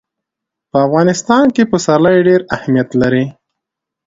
په افغانستان کې پسرلی ډېر اهمیت لري.